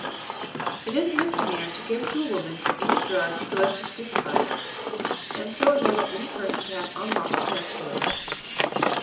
It is a misdemeanour to give to a woman any drug so as to stupefy her, and so enable any person to have unlawful connection with her.